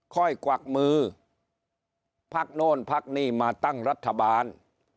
กวักมือพักโน่นพักนี่มาตั้งรัฐบาล